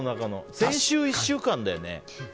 先週１週間だよね。